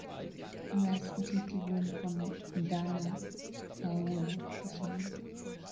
Die meisten Titel wurden von Danna Paola gesungen.